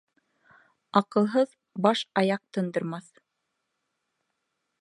Аҡылһыҙ баш аяҡ тындырмаҫ